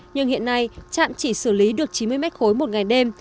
nhưng hiện nay trạm chỉ xử lý được chín mươi mét khối một ngày đêm